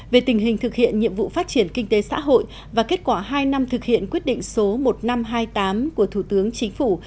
về tình hình thực hiện nhiệm vụ phát triển kinh tế xã hội và kết quả hai năm thực hiện quyết định số một nghìn năm trăm hai mươi tám của thủ tướng chính phủ